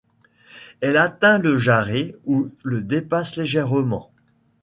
Elle atteint le jarret ou le dépasse légèrement.